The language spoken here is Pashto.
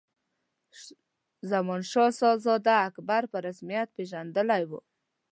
زمانشاه شهزاده اکبر په رسمیت پېژندلی وو.